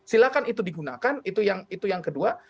silahkan itu digunakan itu yang kedua